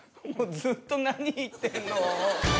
ずっと何言ってんの。